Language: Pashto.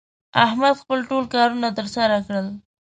احمد خپل ټول کارونه تر سره کړل